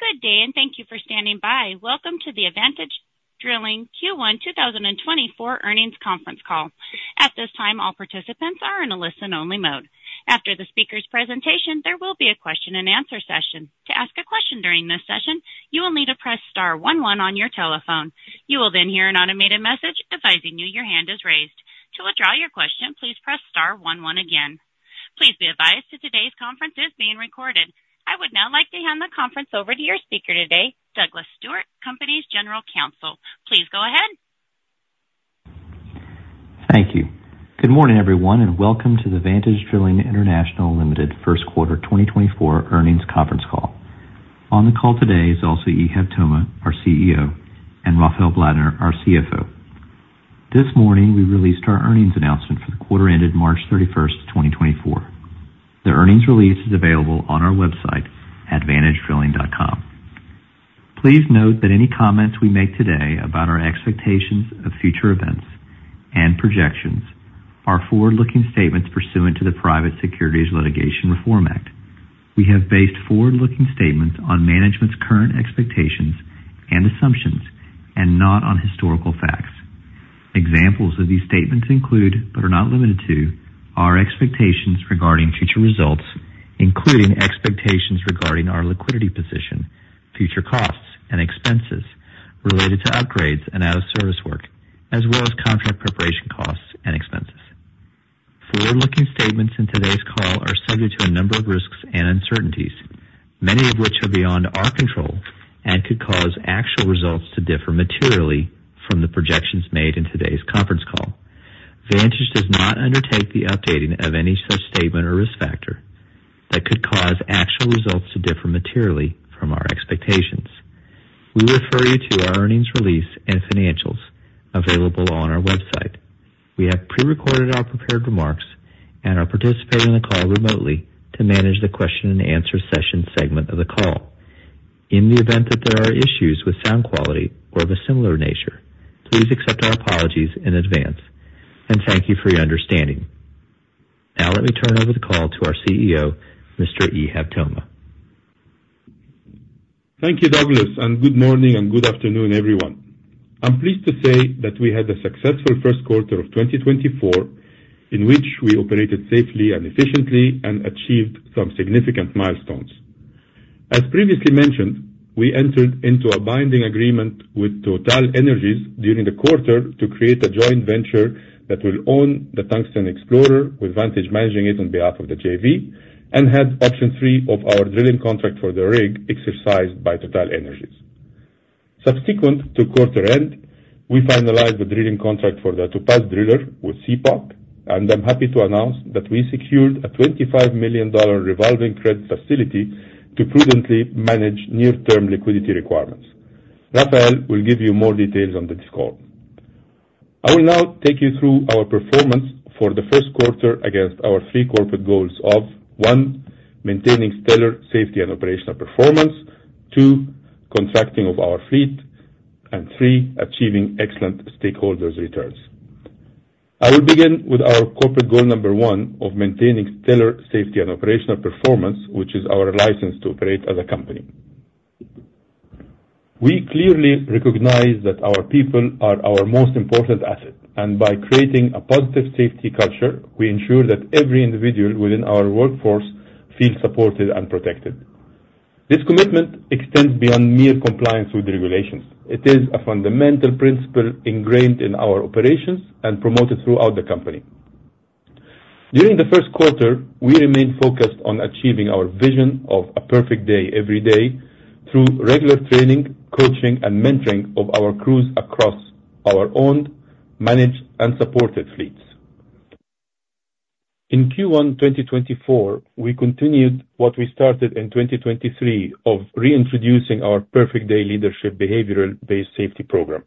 Good day, and thank you for standing by. Welcome to the Vantage Drilling Q1 2024 earnings conference call. At this time, all participants are in a listen-only mode. After the speaker's presentation, there will be a question-and-answer session. To ask a question during this session, you will need to press star one one on your telephone. You will then hear an automated message advising you your hand is raised. To withdraw your question, please press star one one again. Please be advised that today's conference is being recorded. I would now like to hand the conference over to your speaker today, Douglas Stewart, company's General Counsel. Please go ahead. Thank you. Good morning, everyone, and welcome to the Vantage Drilling International Limited first quarter 2024 earnings conference call. On the call today is also Ihab Toma, our CEO, and Rafael Blattner, our CFO. This morning, we released our earnings announcement for the quarter ended March 31, 2024. The earnings release is available on our website at vantagedrilling.com. Please note that any comments we make today about our expectations of future events and projections are forward-looking statements pursuant to the Private Securities Litigation Reform Act. We have based forward-looking statements on management's current expectations and assumptions and not on historical facts. Examples of these statements include, but are not limited to, our expectations regarding future results, including expectations regarding our liquidity position, future costs and expenses related to upgrades and out-of-service work, as well as contract preparation costs and expenses. Forward-looking statements in today's call are subject to a number of risks and uncertainties, many of which are beyond our control and could cause actual results to differ materially from the projections made in today's conference call. Vantage does not undertake the updating of any such statement or risk factor that could cause actual results to differ materially from our expectations. We refer you to our earnings release and financials available on our website. We have pre-recorded our prepared remarks and are participating in the call remotely to manage the question-and-answer session segment of the call. In the event that there are issues with sound quality or of a similar nature, please accept our apologies in advance, and thank you for your understanding. Now, let me turn over the call to our CEO, Mr. Ihab Toma. Thank you, Douglas, and good morning and good afternoon, everyone. I'm pleased to say that we had a successful first quarter of 2024, in which we operated safely and efficiently and achieved some significant milestones. As previously mentioned, we entered into a binding agreement with TotalEnergies during the quarter to create a joint venture that will own the Tungsten Explorer, with Vantage managing it on behalf of the JV, and had option 3 of our drilling contract for the rig exercised by TotalEnergies. Subsequent to quarter end, we finalized the drilling contract for the Topaz Driller with CPOC, and I'm happy to announce that we secured a $25 million revolving credit facility to prudently manage near-term liquidity requirements. Rafael will give you more details on this call. I will now take you through our performance for the first quarter against our three corporate goals of, one, maintaining stellar safety and operational performance. Two, contracting of our fleet, and three, achieving excellent stakeholders' returns. I will begin with our corporate goal number one of maintaining stellar safety and operational performance, which is our license to operate as a company. We clearly recognize that our people are our most important asset, and by creating a positive safety culture, we ensure that every individual within our workforce feels supported and protected. This commitment extends beyond mere compliance with regulations. It is a fundamental principle ingrained in our operations and promoted throughout the company. During the first quarter, we remained focused on achieving our vision of a perfect day, every day, through regular training, coaching, and mentoring of our crews across our owned, managed, and supported fleets. In Q1 2024, we continued what we started in 2023 of reintroducing our Perfect Day Leadership behavioral-based safety program.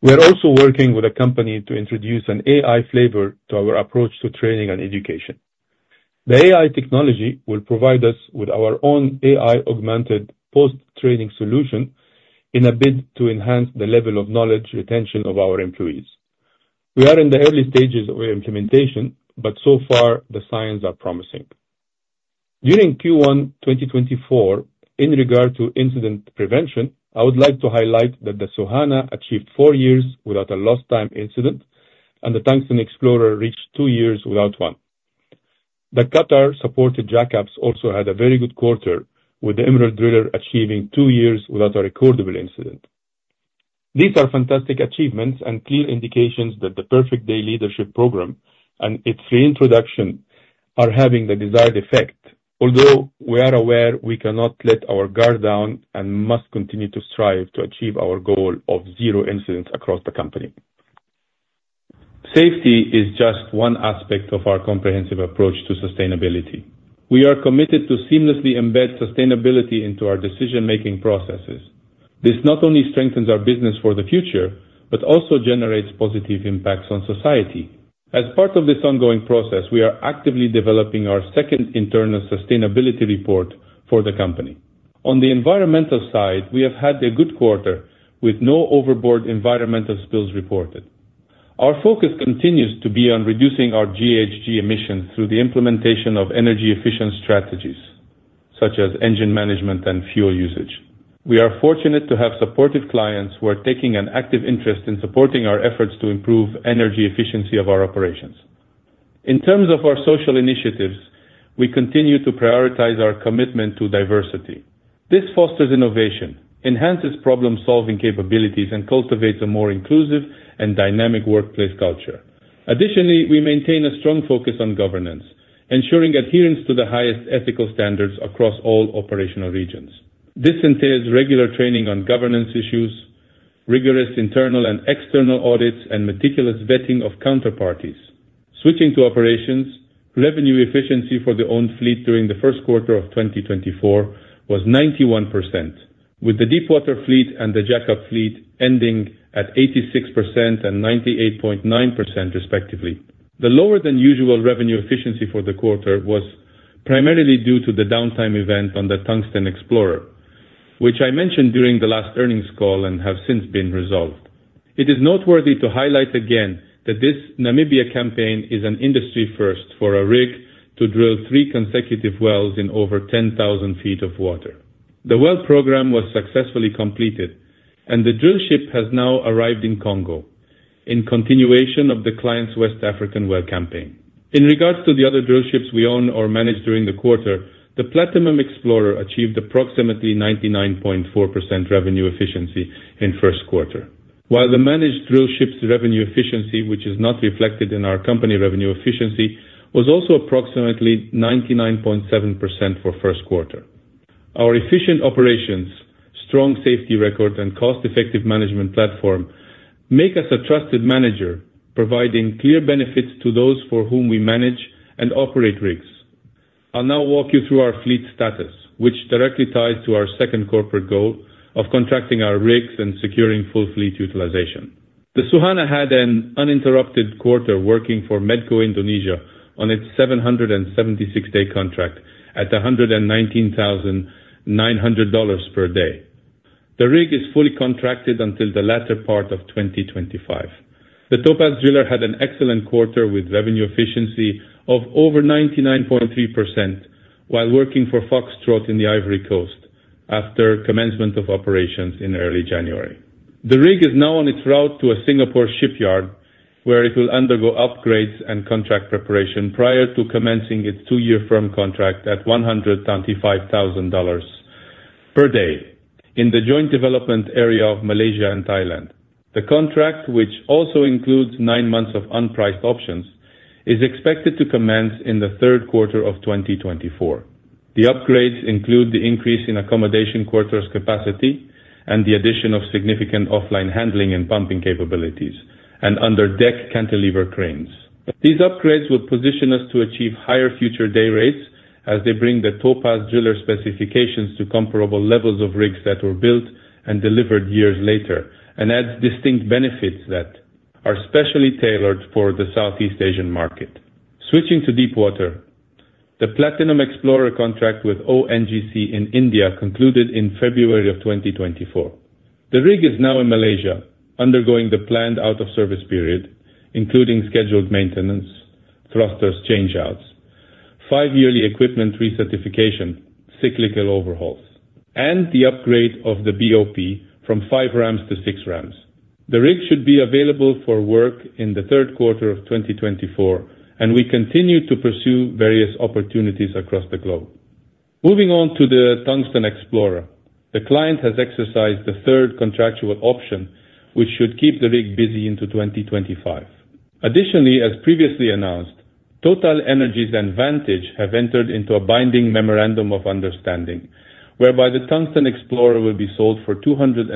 We are also working with a company to introduce an AI flavor to our approach to training and education. The AI technology will provide us with our own AI-augmented post-training solution in a bid to enhance the level of knowledge retention of our employees. We are in the early stages of implementation, but so far, the signs are promising. During Q1 2024, in regard to incident prevention, I would like to highlight that the Soehanah achieved 4 years without a lost time incident, and the Tungsten Explorer reached 2 years without one. The Qatar-supported jackups also had a very good quarter, with the Emerald Driller achieving 2 years without a recordable incident. These are fantastic achievements and clear indications that the Perfect Day Leadership program and its reintroduction are having the desired effect. Although we are aware we cannot let our guard down and must continue to strive to achieve our goal of zero incidents across the company. Safety is just one aspect of our comprehensive approach to sustainability. We are committed to seamlessly embed sustainability into our decision-making processes. This not only strengthens our business for the future, but also generates positive impacts on society. As part of this ongoing process, we are actively developing our second internal sustainability report for the company. On the environmental side, we have had a good quarter with no overboard environmental spills reported.... Our focus continues to be on reducing our GHG emissions through the implementation of energy-efficient strategies, such as engine management and fuel usage. We are fortunate to have supportive clients who are taking an active interest in supporting our efforts to improve energy efficiency of our operations. In terms of our social initiatives, we continue to prioritize our commitment to diversity. This fosters innovation, enhances problem-solving capabilities, and cultivates a more inclusive and dynamic workplace culture. Additionally, we maintain a strong focus on governance, ensuring adherence to the highest ethical standards across all operational regions. This entails regular training on governance issues, rigorous internal and external audits, and meticulous vetting of counterparties. Switching to operations, revenue efficiency for the owned fleet during the first quarter of 2024 was 91%, with the deepwater fleet and the jackup fleet ending at 86% and 98.9%, respectively. The lower than usual revenue efficiency for the quarter was primarily due to the downtime event on the Tungsten Explorer, which I mentioned during the last earnings call and have since been resolved. It is noteworthy to highlight again that this Namibia campaign is an industry first for a rig to drill three consecutive wells in over 10,000 feet of water. The well program was successfully completed, and the drillship has now arrived in Congo in continuation of the client's West African well campaign. In regards to the other drillships we own or managed during the quarter, the Platinum Explorer achieved approximately 99.4% revenue efficiency in first quarter. While the managed drillship's revenue efficiency, which is not reflected in our company revenue efficiency, was also approximately 99.7% for first quarter. Our efficient operations, strong safety record, and cost-effective management platform make us a trusted manager, providing clear benefits to those for whom we manage and operate rigs. I'll now walk you through our fleet status, which directly ties to our second corporate goal of contracting our rigs and securing full fleet utilization. The Soehanah had an uninterrupted quarter working for MedcoEnergi on its 776-day contract at $119,900 per day. The rig is fully contracted until the latter part of 2025. The Topaz Driller had an excellent quarter with revenue efficiency of over 99.3% while working for Foxtrot in the Ivory Coast after commencement of operations in early January. The rig is now on its route to a Singapore shipyard, where it will undergo upgrades and contract preparation prior to commencing its two-year firm contract at $125,000 per day in the joint development area of Malaysia and Thailand. The contract, which also includes nine months of unpriced options, is expected to commence in the third quarter of 2024. The upgrades include the increase in accommodation quarters capacity and the addition of significant offline handling and pumping capabilities and under deck cantilever cranes. These upgrades will position us to achieve higher future day rates as they bring the Topaz Driller specifications to comparable levels of rigs that were built and delivered years later, and adds distinct benefits that are specially tailored for the Southeast Asian market. Switching to deepwater, the Platinum Explorer contract with ONGC in India concluded in February of 2024. The rig is now in Malaysia, undergoing the planned out-of-service period, including scheduled maintenance, thrusters change-outs, five-yearly equipment recertification, cyclical overhauls, and the upgrade of the BOP from 5 rams to 6 rams. The rig should be available for work in the third quarter of 2024, and we continue to pursue various opportunities across the globe. Moving on to the Tungsten Explorer, the client has exercised the third contractual option, which should keep the rig busy into 2025. Additionally, as previously announced, TotalEnergies and Vantage have entered into a binding memorandum of understanding, whereby the Tungsten Explorer will be sold for $265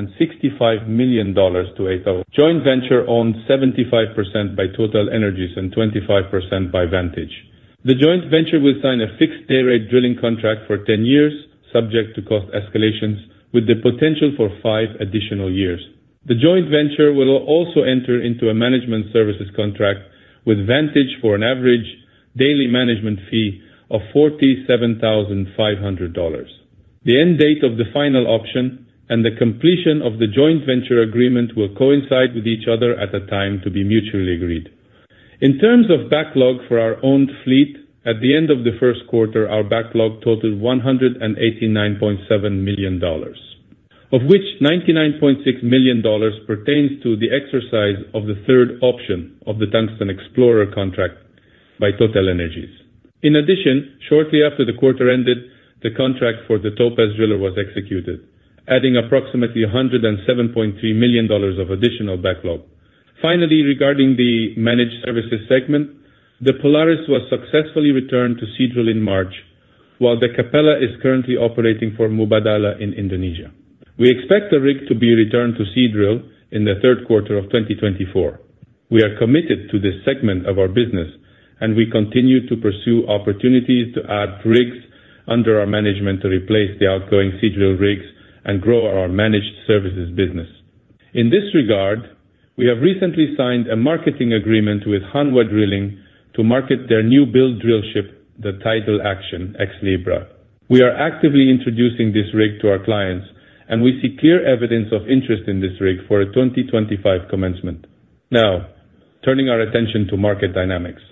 million to a joint venture owned 75% by TotalEnergies and 25% by Vantage. The joint venture will sign a fixed dayrate drilling contract for 10 years, subject to cost escalations, with the potential for 5 additional years. The joint venture will also enter into a management services contract with Vantage for an average daily management fee of $47,500. The end date of the final option and the completion of the joint venture agreement will coincide with each other at a time to be mutually agreed. In terms of backlog for our own fleet, at the end of the first quarter, our backlog totaled $189.7 million, of which $99.6 million pertains to the exercise of the third option of the Tungsten Explorer contract by TotalEnergies. In addition, shortly after the quarter ended, the contract for the Topaz Driller was executed, adding approximately $107.3 million of additional backlog. Finally, regarding the managed services segment, the Polaris was successfully returned to Seadrill in March, while the Capella is currently operating for Mubadala in Indonesia. We expect the rig to be returned to Seadrill in the third quarter of 2024. We are committed to this segment of our business, and we continue to pursue opportunities to add rigs under our management to replace the outgoing Seadrill rigs and grow our managed services business. In this regard, we have recently signed a marketing agreement with Hanwha Drilling to market their new build drillship, the Tidal Action ex Libra. We are actively introducing this rig to our clients, and we see clear evidence of interest in this rig for a 2025 commencement. Now, turning our attention to market dynamics.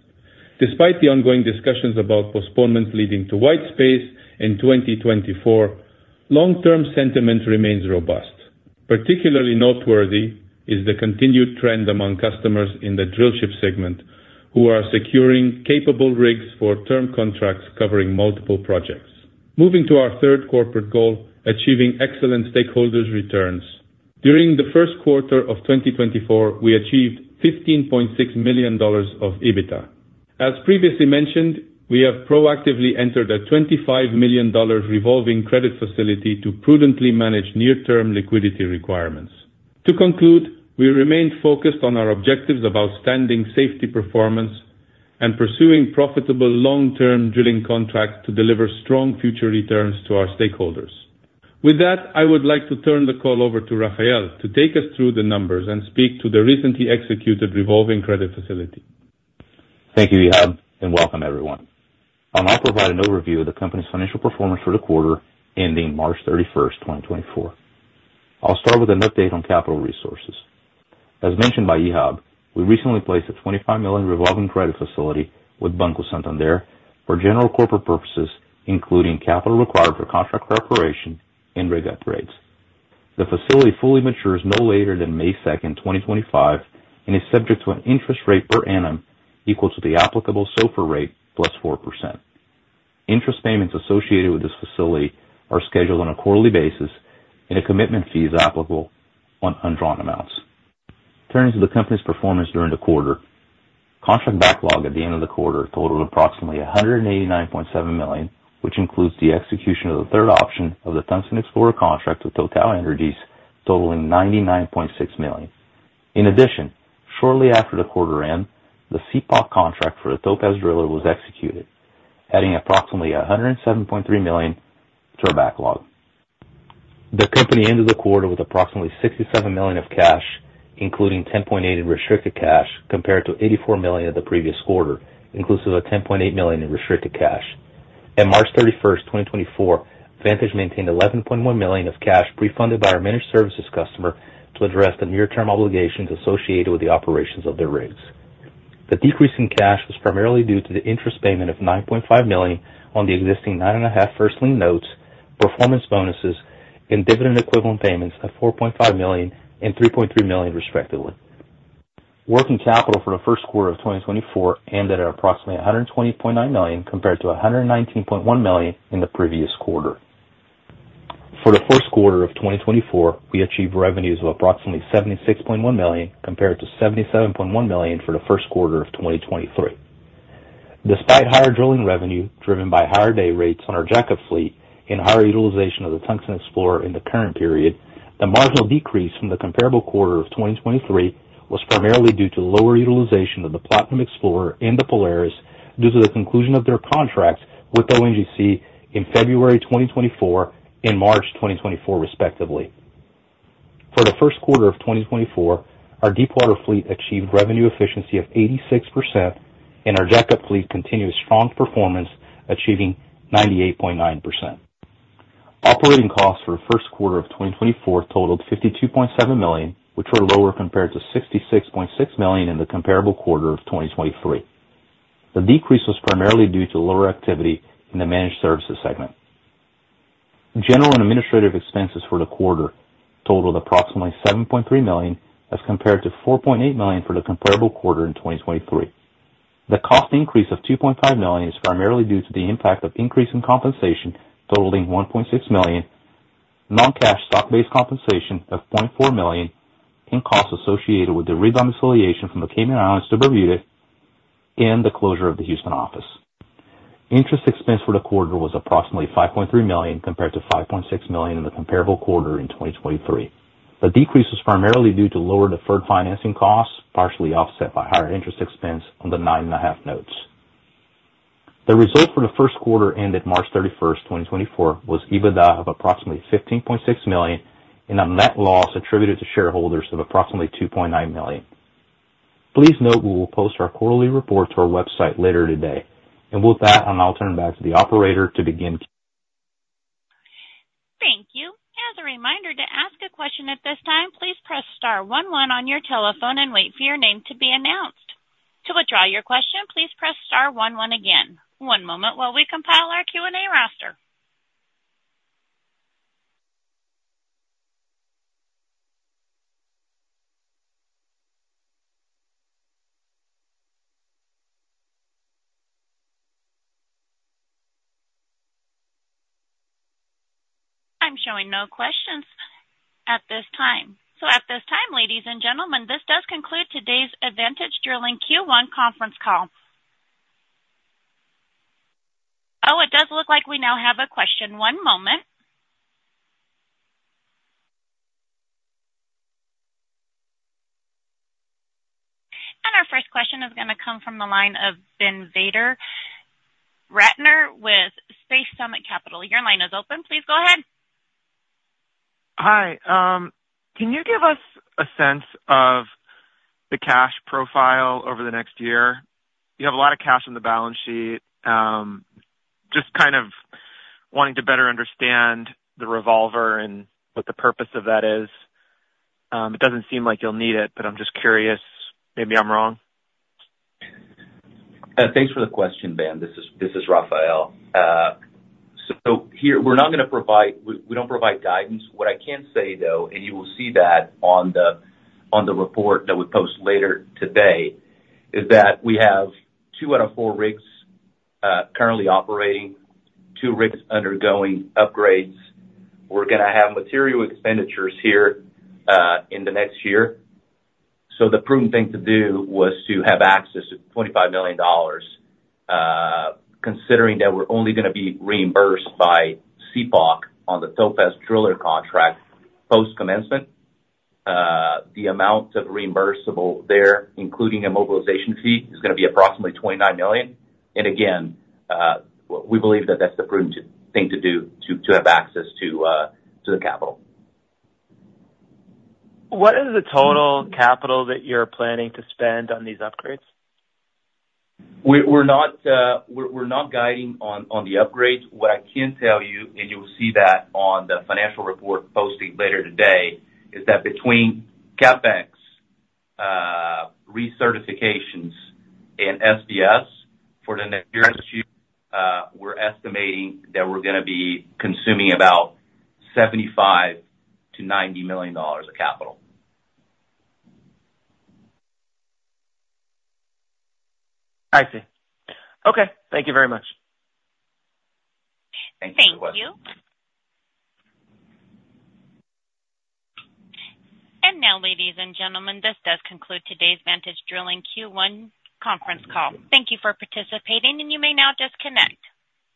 Despite the ongoing discussions about postponement leading to white space in 2024, long-term sentiment remains robust. Particularly noteworthy is the continued trend among customers in the drillship segment, who are securing capable rigs for term contracts covering multiple projects. Moving to our third corporate goal, achieving excellent stakeholders returns. During the first quarter of 2024, we achieved $15.6 million of EBITDA. As previously mentioned, we have proactively entered a $25 million revolving credit facility to prudently manage near-term liquidity requirements. To conclude, we remain focused on our objectives of outstanding safety performance and pursuing profitable long-term drilling contracts to deliver strong future returns to our stakeholders. With that, I would like to turn the call over to Rafael to take us through the numbers and speak to the recently executed revolving credit facility. Thank you, Ihab, and welcome everyone. I'll now provide an overview of the company's financial performance for the quarter ending March 31, 2024. I'll start with an update on capital resources. As mentioned by Ihab, we recently placed a $25 million revolving credit facility with Banco Santander for general corporate purposes, including capital required for contract preparation and rig upgrades. The facility fully matures no later than May 2, 2025, and is subject to an interest rate per annum equal to the applicable SOFR rate plus 4%. Interest payments associated with this facility are scheduled on a quarterly basis, and a commitment fee is applicable on undrawn amounts. Turning to the company's performance during the quarter. Contract backlog at the end of the quarter totaled approximately $189.7 million, which includes the execution of the third option of the Tungsten Explorer contract with TotalEnergies, totaling $99.6 million. In addition, shortly after the quarter end, the CPOC contract for the Topaz Driller was executed, adding approximately $107.3 million to our backlog. The company ended the quarter with approximately $67 million of cash, including $10.8 million in restricted cash, compared to $84 million in the previous quarter, inclusive of $10.8 million in restricted cash. At March 31, 2024, Vantage maintained $11.1 million of cash pre-funded by our managed services customer to address the near-term obligations associated with the operations of their rigs. The decrease in cash was primarily due to the interest payment of $9.5 million on the existing 9.5% first lien notes, performance bonuses, and dividend equivalent payments of $4.5 million and $3.3 million, respectively. Working capital for the first quarter of 2024 ended at approximately $120.9 million, compared to $119.1 million in the previous quarter. For the first quarter of 2024, we achieved revenues of approximately $76.1 million, compared to $77.1 million for the first quarter of 2023. Despite higher drilling revenue driven by higher day rates on our jackup fleet and higher utilization of the Tungsten Explorer in the current period, the marginal decrease from the comparable quarter of 2023 was primarily due to lower utilization of the Platinum Explorer and the Polaris due to the conclusion of their contracts with ONGC in February 2024 and March 2024, respectively. For the first quarter of 2024, our deepwater fleet achieved revenue efficiency of 86%, and our jackup fleet continued strong performance, achieving 98.9%. Operating costs for the first quarter of 2024 totaled $52.7 million, which were lower compared to $66.6 million in the comparable quarter of 2023. The decrease was primarily due to lower activity in the managed services segment. General and administrative expenses for the quarter totaled approximately $7.3 million, as compared to $4.8 million for the comparable quarter in 2023. The cost increase of $2.5 million is primarily due to the impact of increase in compensation, totaling $1.6 million, non-cash stock-based compensation of $0.4 million, and costs associated with the redomiciliation from the Cayman Islands to Bermuda and the closure of the Houston office. Interest expense for the quarter was approximately $5.3 million, compared to $5.6 million in the comparable quarter in 2023. The decrease was primarily due to lower deferred financing costs, partially offset by higher interest expense on the 9.5 notes. The results for the first quarter ended March 31, 2024, were EBITDA of approximately $15.6 million and a net loss attributed to shareholders of approximately $2.9 million. Please note, we will post our quarterly report to our website later today, and with that, I'll now turn it back to the operator to begin. Thank you. As a reminder, to ask a question at this time, please press star one one on your telephone and wait for your name to be announced. To withdraw your question, please press star one one again. One moment while we compile our Q&A roster. I'm showing no questions at this time. So at this time, ladies and gentlemen, this does conclude today's Vantage Drilling Q1 conference call. Oh, it does look like we now have a question. One moment. And our first question is gonna come from the line of Ben Vider-Gatner with Space Summit Capital. Your line is open. Please go ahead. ... Hi, can you give us a sense of the cash profile over the next year? You have a lot of cash on the balance sheet. Just kind of wanting to better understand the revolver and what the purpose of that is. It doesn't seem like you'll need it, but I'm just curious. Maybe I'm wrong. Thanks for the question, Ben. This is Rafael. So here, we're not gonna provide. We don't provide guidance. What I can say, though, and you will see that on the report that we post later today, is that we have two out of four rigs currently operating, two rigs undergoing upgrades. We're gonna have material expenditures here in the next year. So the prudent thing to do was to have access to $25 million, considering that we're only gonna be reimbursed by CPOC on the Topaz Driller contract post-commencement. The amount of reimbursable there, including a mobilization fee, is gonna be approximately $29 million. And again, we believe that that's the prudent thing to do to have access to the capital. What is the total capital that you're planning to spend on these upgrades? We're not guiding on the upgrades. What I can tell you, and you'll see that on the financial report posting later today, is that between CapEx, recertifications and SBS for the next year, we're estimating that we're gonna be consuming about $75 million-$90 million of capital. I see. Okay. Thank you very much. Thank you. Thank you. And now, ladies and gentlemen, this does conclude today's Vantage Drilling Q1 conference call. Thank you for participating, and you may now disconnect.